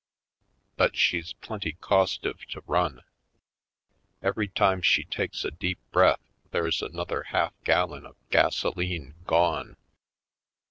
But she's plenty costive to run. Every time she takes a deep breath there's another half gallon of gasoline gone.